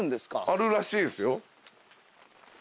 あるらしいですよ。